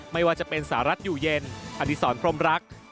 ไม่ว่าจะเป็นสหรัฐอยู่เย็นอดีศรพรมรัก